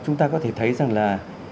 chúng ta có thể thấy rằng là